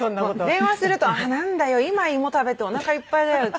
電話すると「なんだよ今芋食べておなかいっぱいだよ」って。